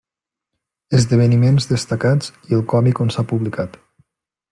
Esdeveniments destacats i el còmic on s'han publicat.